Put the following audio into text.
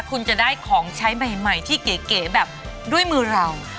คุณจะได้ของใช้ใหม่ที่เก๋แบบด้วยมือเรา